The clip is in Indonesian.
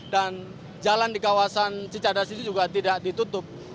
dan jalan di kawasan cicadas ini juga tidak ditutup